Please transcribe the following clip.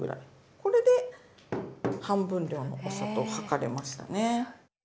これで半分量のお砂糖を量れましたね。